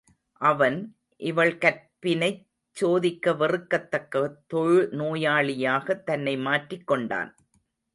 அவன் இவள் கற்பினைச் சோதிக்க வெறுக்கத் தக்க தொழு நோயாளியாகத் தன்னை மாற்றிக் கொண்டான்.